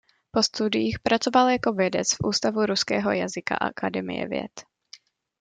Po studiích pracoval jako vědec v Ústavu ruského jazyka Akademie věd.